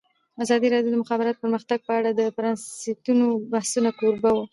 ازادي راډیو د د مخابراتو پرمختګ په اړه د پرانیستو بحثونو کوربه وه.